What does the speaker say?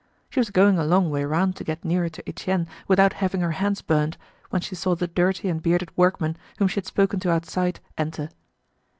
She was going a long way round to get nearer to Etienne without having her hands burnt, when she saw the dirty and bearded workman, whom she had spoken to outside, enter.